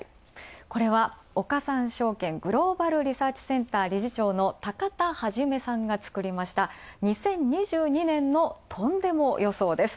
これは岡三証券グローバル・リサーチ・センター理事長の高田創さんが造りました、２０２２年のとんでも予想です。